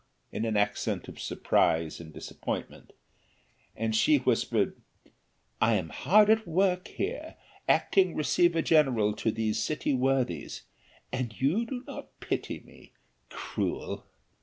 in an accent of surprise and disappointment; and she whispered, "I am hard at work here, acting receiver general to these city worthies; and you do not pity me cruel!"